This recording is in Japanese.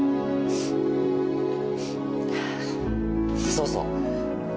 そうそう。